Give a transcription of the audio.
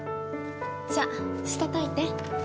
じゃあ捨てといて。